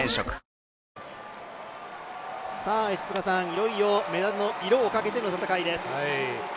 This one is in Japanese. いよいよメダルの色をかけての戦いです。